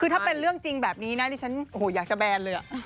คือถ้าเป็นเรื่องจริงแบบนี้นะนี่ฉันจะแบนเลยเนี่ย